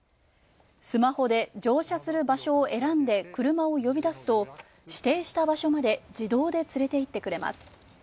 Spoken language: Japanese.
スマホで乗車する場所を選んで車を呼び出すと、指定した場所まで自動で連れていってくれます。